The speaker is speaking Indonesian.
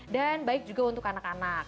dan baik juga untuk anak anak